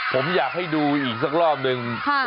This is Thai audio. ผมอยากให้ดูอีกสักรอบนึง